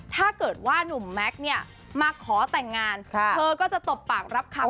ถ้าเกิดว่านุ่มแม็กซ์เนี่ยมาขอแต่งงานเธอก็จะตบปากรับคำ